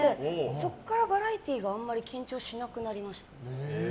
そこからバラエティーがあんまり緊張しなくなりました。